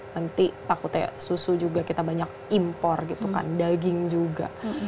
nanti takutnya susu juga kita banyak impor gitu kan daging juga